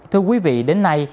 thưa quý vị đến nay